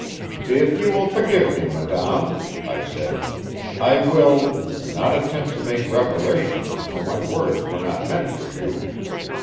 "If you will forgive me, madame," I said, "I will not attempt to make reparation, for my words were not meant for you.